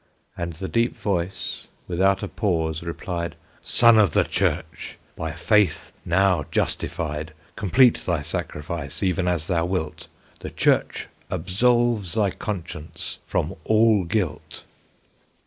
And the deep voice, without a pause, replied: "Son of the Church! by faith now justified, Complete thy sacrifice, even as thou wilt; The Church absolves thy conscience from all guilt!"